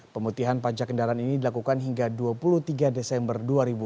pemutihan pajak kendaraan ini dilakukan hingga dua puluh tiga desember dua ribu dua puluh